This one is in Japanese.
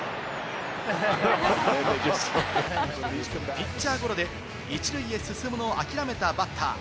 ピッチャーゴロで１塁へ進むのを諦めたバッター。